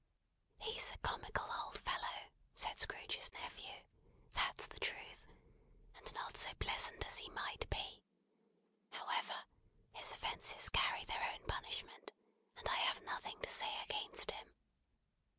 "He's a comical old fellow," said Scrooge's nephew, "that's the truth: and not so pleasant as he might be. However, his offences carry their own punishment, and I have nothing to say against him."